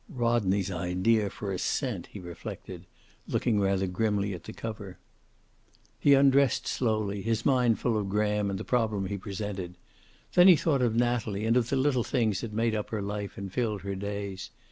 "Rodney's idea, for a cent!" he reflected, looking rather grimly at the cover. He undressed slowly, his mind full of Graham and the problem he presented. Then he thought of Natalie, and of the little things that made up her life and filled her days.